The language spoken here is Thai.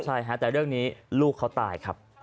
ใช่ฮะแต่เรื่องนี้ลูกเขาตายครับ